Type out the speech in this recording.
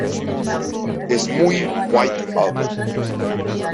Es muy "White Album".